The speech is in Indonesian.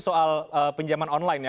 soal penjaman online ya